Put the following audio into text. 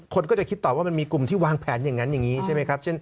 คนก็จะคิดต่อว่ามันมีกลุ่มที่วางแผนอย่างนั้นอย่างนี้ใช่ไหมครับ